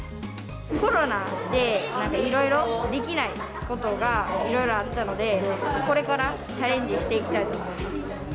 コロナでいろいろできないことがいろいろあったので、これからチャレンジしていきたいと思います。